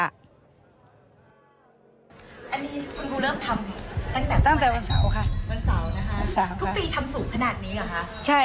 อันนี้คุณผู้เริ่มทำตั้งแต่วันตั้งแต่วันเสาร์ค่ะ